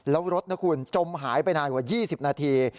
แล้วรถนะคุณจมหายไปนานกว่า๒๐นาที